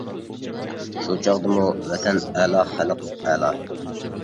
شۇ چاغدىمۇ ۋەتەن ئەلا، خەلق ئەلا.